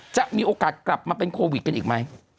จะมีโอกาสกลับมาเป็นโควิดกันอีกไหม